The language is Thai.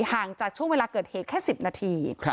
ห่างจากช่วงเวลาเกิดเหตุแค่๑๐นาที